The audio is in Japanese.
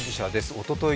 おととい